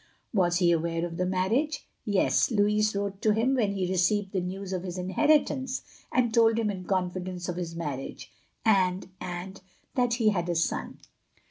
" "Was he aware of the marriage?" "Yes, Louis wrote to him when he received the news of his inheritance, and told him in con fidence of his marriage, and — ^and — ^that he had a son.